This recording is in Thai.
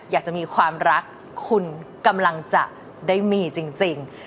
อยากจะมีความรักคุณกำลังจะได้มีจริง